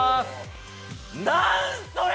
なんそれ！